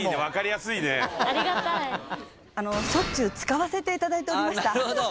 しょっちゅう使わせていただいておりました。